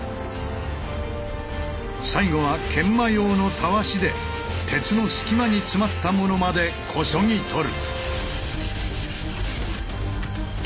最後は研磨用のタワシで鉄の隙間に詰まったものまでこそぎ取る。